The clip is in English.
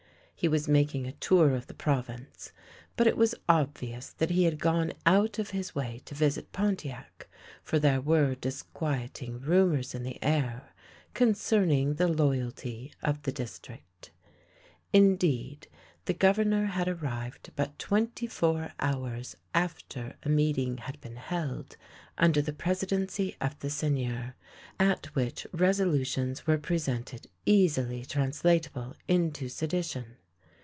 He was making a tour of the Province, but it was obvious that he had gone out of his way to visit Pontiac, for there were disquieting rumours in the air concerning the loyalty of the dis trict. Indeed, the Governor had arrived but twenty four hours after a meeting had been held under the presidency of the Seigneur, at which resolutions were presented easily translatable into sedition.